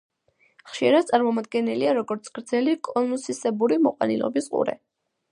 ხშირად წარმოდგენილია როგორც გრძელი კონუსისებური მოყვანილობის ყურე.